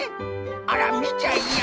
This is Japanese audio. あらみちゃいや！」。